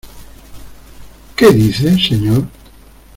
¿ qué dice, señor?